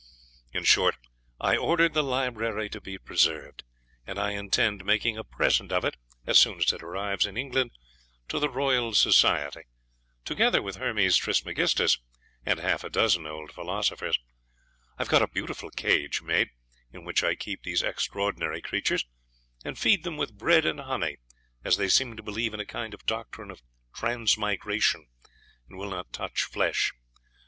In short, I ordered the library to be preserved, and I intend making a present of it, as soon as it arrives in England, to the Royal Society, together with Hermes Trismegistus, and half a dozen old philosophers. I have got a beautiful cage made, in which I keep these extraordinary creatures, and feed them with bread and honey, as they seem to believe in a kind of doctrine of transmigration, and will not touch flesh.